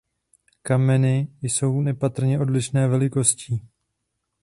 Kameny jsou nepatrně odlišné velikostí.